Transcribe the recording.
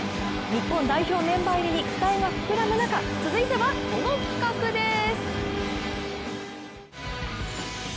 日本代表メンバー入りに期待が膨らむ中、続いてはこの企画です。